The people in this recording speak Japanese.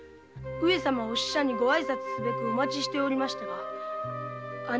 御使者にご挨拶すべくお待ちしておりましたが。